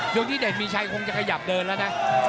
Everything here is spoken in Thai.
ที่เด่นมีชัยคงจะขยับเดินแล้วนะ